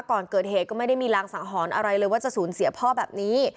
ก่อนเกิดเหตุก็ไม่ได้มีรางสังหรณ์อะไรเลยว่าจะสูญเสียพ่อแบบนี้